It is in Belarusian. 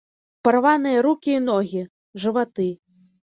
Парваныя рукі і ногі, жываты.